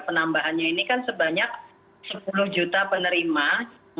penambahannya ini kan sebanyak sepuluh juta penerima